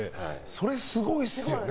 それ、すごいですよね。